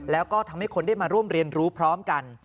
แล้วก็ทำให้คนได้มาร่วมเรียนรู้พร้อมกัน